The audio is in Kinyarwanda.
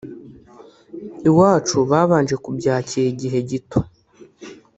Iwacu babanje kubyakira igihe gito